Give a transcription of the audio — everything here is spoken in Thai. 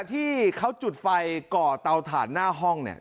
ที่เขาจุดไฟก่อเตาถ่านหน้าห้องเนี่ย